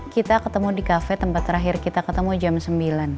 kita ketemu di kafe tempat terakhir kita ketemu jam sembilan